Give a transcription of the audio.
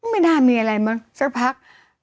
ไม่น่ามีอะไรมั้งสักพัก